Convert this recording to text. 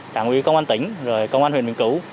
đảng quỹ công an tỉnh rồi công an huyện bình cửu